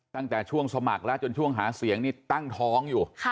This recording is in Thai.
ตั้งแต่ช่วงสมัครแล้วจนช่วงหาเสียงนี่ตั้งท้องอยู่